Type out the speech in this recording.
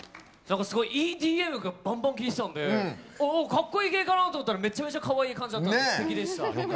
ＥＤＭがバンバンきいてたのでかっこいい系かなと思ったらめちゃめちゃかわいい感じだったのですてきでした。